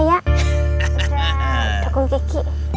dadah dukung gigi